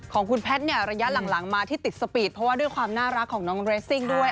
ของคุณแพทย์เนี่ยระยะหลังมาที่ติดสปีดเพราะว่าด้วยความน่ารักของน้องเรสซิ่งด้วย